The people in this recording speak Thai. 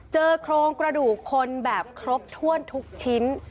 เจอโครงกระดูกคนแบบครบถ้วนทุกชิ้น